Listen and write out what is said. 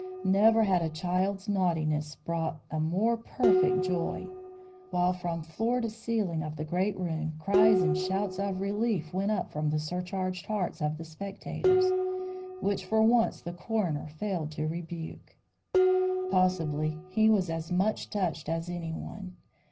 Never had a child's naughtiness brought a more perfect joy; while from floor to ceiling of the great room, cries and shouts of relief went up from the surcharged hearts of the spectators which for once the coroner failed to rebuke. Possibly he was as much touched as anyone.